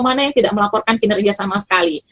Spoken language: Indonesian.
mana yang tidak melaporkan kinerja sama sekali